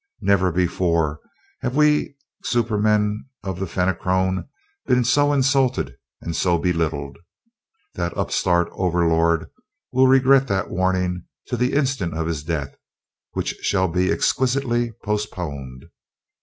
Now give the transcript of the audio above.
"Never before have we supermen of the Fenachrone been so insulted and so belittled! That upstart Overlord will regret that warning to the instant of his death, which shall be exquisitely postponed.